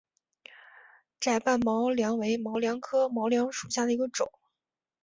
窄瓣毛茛为毛茛科毛茛属下的一个种。